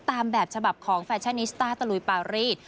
ตามแบบฉบับของแฟชั่นนิสต้าตะลุยปารีส